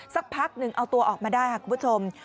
สักพักหนึ่งเอาตัวออกมาได้ค่ะคุณผู้ชม